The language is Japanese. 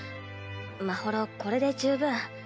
まほろこれで十分。